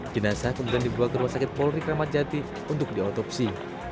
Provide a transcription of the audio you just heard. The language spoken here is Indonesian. jenasa kemudian dibawa ke rumah sakit polri kramatjati untuk diotopsi